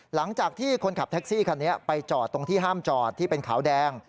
หลังจากที่คนขับแท็กซี่คันนี้ไปจอดตรงที่ห้ามจอดที่เป็นขาวแดง